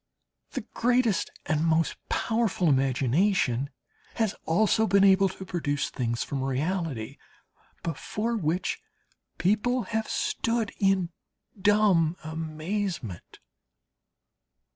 The greatest and most powerful imagination has also been able to produce things from reality, before which people have stood in dumb amazement.